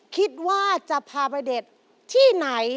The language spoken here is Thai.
คิดว่าจะพาไปเด็ดที่ไหน